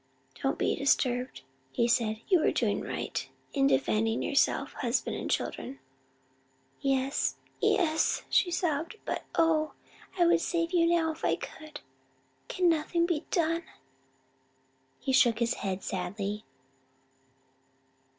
"Don't be disturbed," he said, "you were doing right in defending yourself, husband and children." "Yes, yes," she sobbed, "but oh, I would save you now if I could! Can nothing be done?" He shook his head sadly.